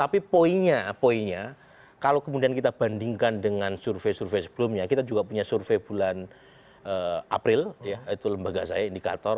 tapi poinnya poinnya kalau kemudian kita bandingkan dengan survei survei sebelumnya kita juga punya survei bulan april ya itu lembaga saya indikator